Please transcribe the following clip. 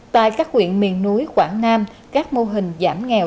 tại các huyện miền núi quảng nam các mô hình giảm nghèo